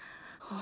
あ。